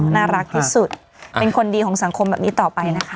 น่ารักที่สุดเป็นคนดีของสังคมแบบนี้ต่อไปนะคะ